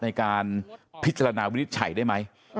ในการพิจารณาวินิจฉัยได้ไหม